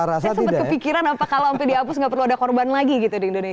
saya sempat kepikiran apakah kalau hampir dihapus tidak perlu ada korban lagi di indonesia